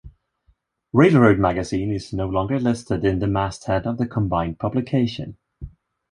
"Railroad Magazine" is no longer listed in the masthead of the combined publication.